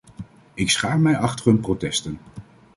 Ik schaar mij achter hun protesten.